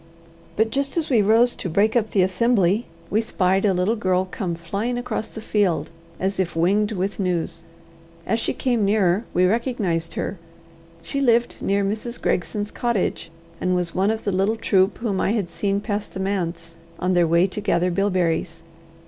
But just as we rose to break up the assembly, we spied a little girl come flying across the field, as if winged with news. As she came nearer we recognized her. She lived near Mrs. Gregson's cottage, and was one of the little troop whom I had seen pass the manse on their way to gather bilberries.